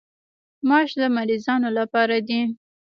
ماش د مریضانو لپاره دي.